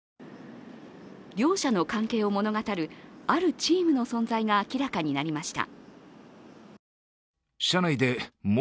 両社の関係を物語る、あるチームの存在が明らかになりました。